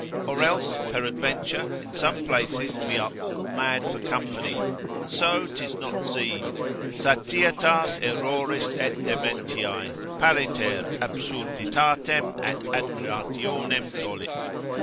Or else peradventure in some places we are all mad for company, and so 'tis not seen, Satietas erroris et dementiae, pariter absurditatem et admirationem tollit.